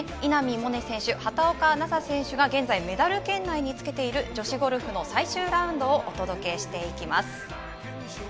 萌寧選手、畑岡奈紗選手が現在メダル圏内につけている女子ゴルフの最終ラウンドをお届けしていきます。